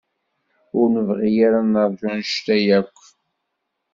Ur nebɣi ad neṛju anect-a akk.